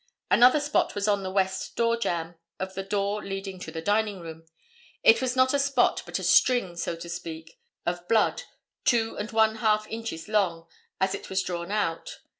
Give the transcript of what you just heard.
Another spot was on the west door jamb of the door leading to the dining room. It was not a spot, but a string, so to speak, of blood, two and one half inches long, as it was drawn out.